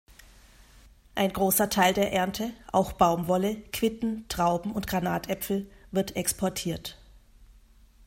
Ein großer Teil der Ernte, auch Baumwolle, Quitten, Trauben und Granatäpfel, wird exportiert.